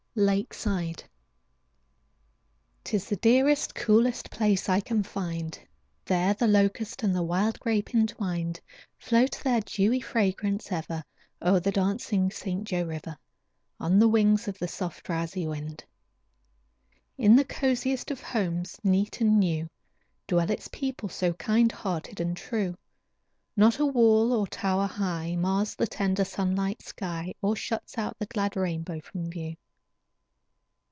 LAKESIDE. 'Tis the dearest, coolest place I can find; There the locust and the wild grape entwined Float their dewy fragrance ever O'er the dancing St. Joe river On the wings of the soft drowsy wind. In the coziest of homes, neat and new, Dwell its people so kind hearted and true. Not a wall or tower high Mars the tender, sunlight sky, Or shuts out the glad rainbow from view.